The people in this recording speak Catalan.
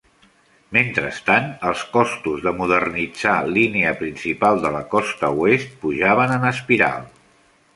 Mentrestant, els costos de modernitzar Línia Principal de la Costa Oest pujaven en espiral.